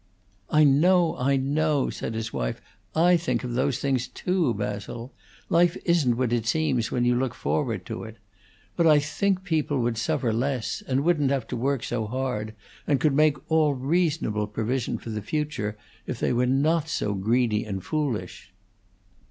"I know, I know!" said his wife. "I think of those things, too, Basil. Life isn't what it seems when you look forward to it. But I think people would suffer less, and wouldn't have to work so hard, and could make all reasonable provision for the future, if they were not so greedy and so foolish."